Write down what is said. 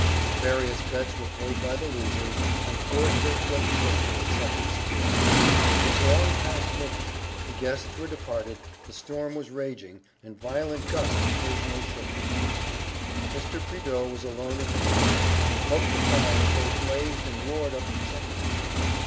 The various bets were paid by the losers, and poor Turk's reputation had suffered severely.... It was long past midnight: the guests were departed, the storm was raging, and violent gusts occasionally shook the house.... Mr. Prideaux was alone in his study, and he poked the fire until it blazed and roared up the chimney....